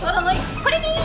これでいい！